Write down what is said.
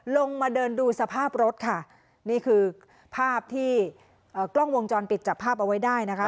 ลงมาเดินดูสภาพรถค่ะนี่คือภาพที่กล้องวงจรปิดจับภาพเอาไว้ได้นะคะ